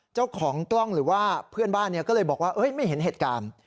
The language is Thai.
เจ้าของกล้องหรือว่าเพื่อนบ้านก็เลยบอกว่าไม่เห็นเหตุการณ์